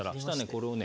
これをね